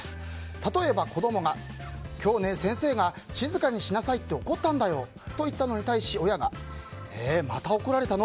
例えば、子供が今日先生が静かにしなさいって怒ったんだよと言ったのに対し親が、えー、また怒られたの？